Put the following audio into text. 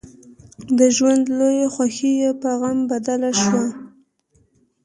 د ژوند لويه خوښي يې په غم بدله شوه.